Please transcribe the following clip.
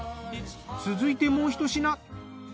続いてもうひと品。